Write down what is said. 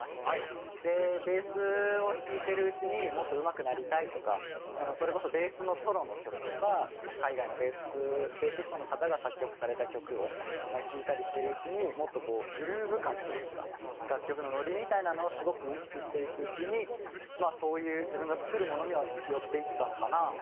ベースを弾いてるうちにもっとうまくなりたいとかそれこそベースのソロの曲とか海外のベースベーシストの方が作曲された曲を聴いたりしてるうちにもっとこうグルーヴ感というか楽曲のノリみたいなのをすごく意識していくうちにまあそういう自分が作るものには寄っていったのかなと思います。